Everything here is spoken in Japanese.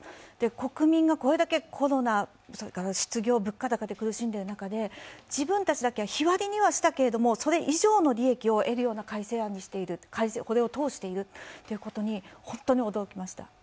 国民がこれだけコロナ、失業物価高で苦しんでいる中で自分たちだけは日割りにはしたけれども、それ以上の利益を得るこれを通していることに本当に驚きました。